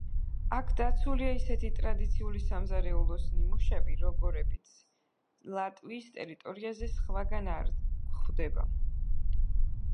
აქ დაცულია ისეთი ტრადიციული სამზარეულოს ნიმუშები, როგორებიც ლატვიის ტერიტორიაზე სხვაგან არსად გვხვდება.